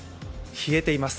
冷えています